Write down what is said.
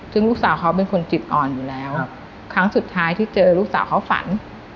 ซึ่งลูกสาวเขาเป็นคนจิตอ่อนอยู่แล้วครั้งสุดท้ายที่เจอลูกสาวเขาฝัน